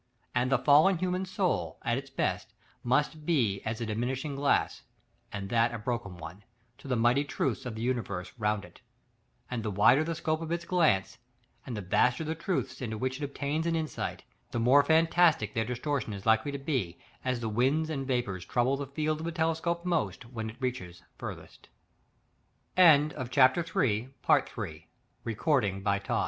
And the fallen human soul, at its best, must be as a diminishing glass, and that a broken one, to the mighty truths of the universe round it; and the wider the scope of its glance, and the vaster the truths into which it obtains an insight, the more fantastic their distortion is likely to be, as the winds and vapors trouble the field of the telescope most when it reaches farthest. § LXII. Now, so far as the truth is seen by the imagina